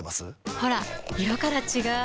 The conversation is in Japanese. ほら色から違う！